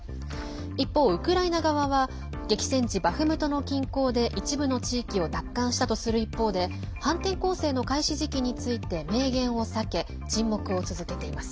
一方、ウクライナ側は激戦地バフムトの近郊で一部の地域を奪還したとする一方で反転攻勢の開始時期について明言を避け、沈黙を続けています。